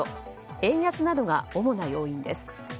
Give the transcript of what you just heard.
円安などが主な要因です。